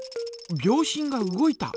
秒針が動いた！